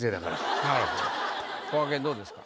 こがけんどうですか？